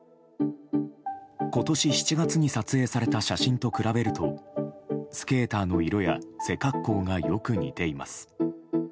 今年７月に撮影された写真と比べるとスケーターの色や背格好がよく似ています。